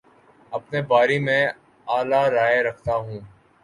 اپنے بارے میں اعلی رائے رکھتا ہوں